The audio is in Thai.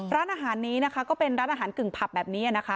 ร้านอาหารนี้นะคะก็เป็นร้านอาหารกึ่งผับแบบนี้นะคะ